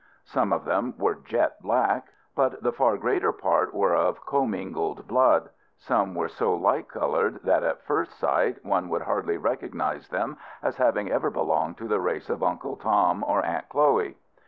Some of them were jet black; but the far greater part were of commingled blood. Some were so light colored, that at first sight one would hardly recognize them as having ever belonged to the race of "Uncle Tom," or "Aunt Chloe."